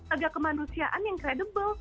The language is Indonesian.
agak kemanusiaan yang kredibel